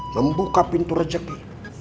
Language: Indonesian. membuka pintu rezeki